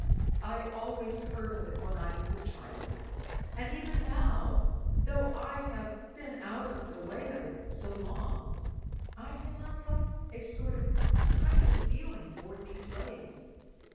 I always heard of it when I was a child; and even now, though I have been out of the way of it so long, I cannot help a sort of kindly feeling toward these ways.